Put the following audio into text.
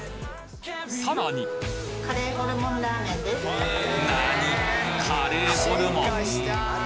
さらになにっ！カレーホルモン？